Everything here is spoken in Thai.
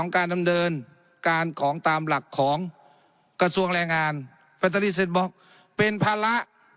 ของการดำเนินการของตามหลักของกระทรวงแรงงานเป็นภาระ